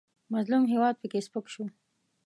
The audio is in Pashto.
مظلوم هېواد پکې سپک شو.